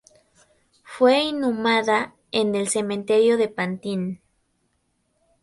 Fue inhumada en el cementerio de Pantin.